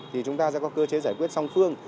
thì chúng ta sẽ có cơ chế giải quyết song phương